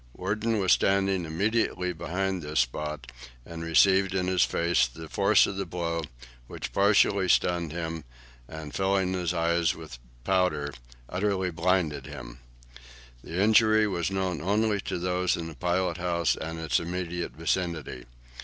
Worden was standing immediately behind this spot, and received in his face the force of the blow, which partly stunned him, and filling his eyes with powder, utterly blinded him. The injury was known only to those in the pilot house and its immediate vicinity.